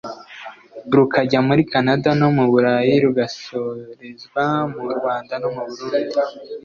rukajya muri Canada no mu Burayi rugasorezwa mu Rwanda no mu Burundi